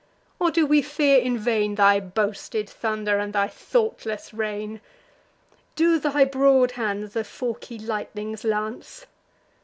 or do we fear in vain Thy boasted thunder, and thy thoughtless reign? Do thy broad hands the forky lightnings lance?